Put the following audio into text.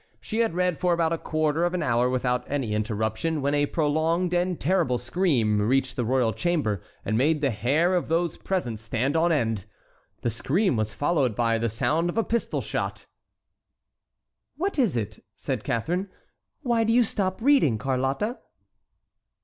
She had read for about a quarter of an hour without any interruption, when a prolonged and terrible scream reached the royal chamber and made the hair of those present stand on end. The scream was followed by the sound of a pistol shot. "What is it?" said Catharine; "why do you stop reading, Carlotta?"